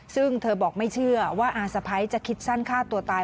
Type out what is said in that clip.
ซึ่งเธอบอกไม่เชื่อว่าอาสะพ้ายจะคิดสั้นฆ่าตัวตาย